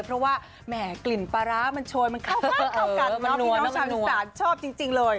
เพราะว่าแหม่กลิ่นปลาร้ามันโชยมันเข้าปากเข้ากันพี่น้องชาวอีสานชอบจริงเลย